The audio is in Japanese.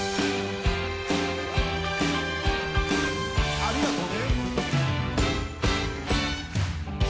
ありがとね！